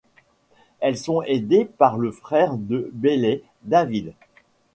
Elles sont aidées par le frère de Bailey, David.